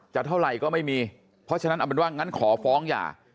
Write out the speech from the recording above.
เท่าไหร่ก็ไม่มีเพราะฉะนั้นเอาเป็นว่างั้นขอฟ้องหย่า